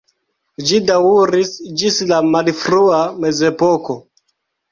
Ĝi daŭris ĝis la malfrua mezepoko.